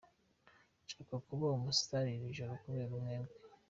Nshaka kuba umustar iri joro kubera mwebwe.